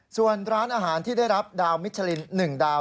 ส่วนร้านอาหารที่ได้รับดาวมิชลิน๑ดาว